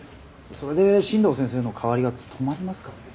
それで新道先生の代わりが務まりますかね？